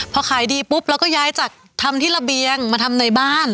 พอขายดีปุ๊บเราก็ย้ายจากทำที่ระเบียงมาทำในบ้าน